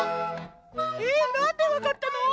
えなんでわかったの？